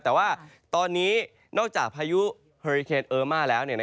แต่ว่าตอนนี้นอกจากพายุเฮริเคนเออร์มาแล้ว